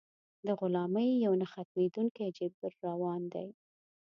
د غلامۍ یو نه ختمېدونکی جبر روان دی.